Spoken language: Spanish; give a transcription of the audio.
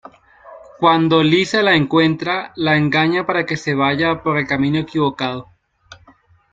Cuando Lisa la encuentra, la engaña para que se vaya por el camino equivocado.